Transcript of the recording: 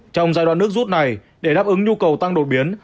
trong giai đoạn nước rút này để đáp ứng nhu cầu tăng đột biến